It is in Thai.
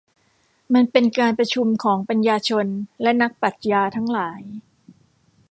มันเป็นการประชุมของปัญญาชนและนักปรัชญาทั้งหลาย